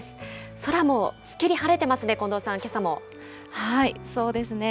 空もすっきり晴れてますね、近藤そうですね。